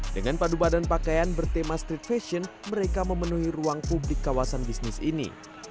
dengan padu badan pakaian bertema street fashion mereka memenuhi ruang publik kawasan bisnis ini